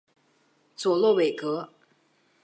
佐洛韦格。